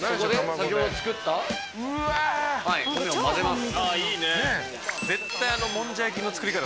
先ほど作った米を混ぜます。